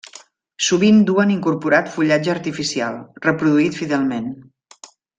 Sovint duen incorporat fullatge artificial, reproduït fidelment.